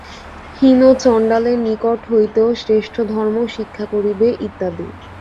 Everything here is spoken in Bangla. হীন চণ্ডালের নিকট হইতেও শ্রেষ্ঠ ধর্ম শিক্ষা করিবে, ইত্যাদি।